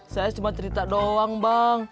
saya cuma cerita doang bang